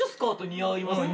似合いますね。